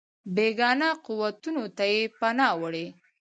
بېګانه قوتونو ته یې پناه وړې.